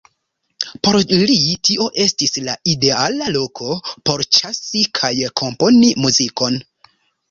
Por li tio estis la ideala loko por ĉasi kaj komponi muzikon.